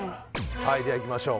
はいではいきましょう